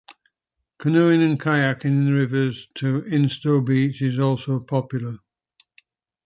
Canoeing and kayaking in the rivers to Instow beach is also popular.